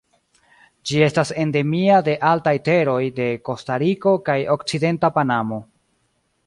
Ĝi estas endemia de altaj teroj de Kostariko kaj okcidenta Panamo.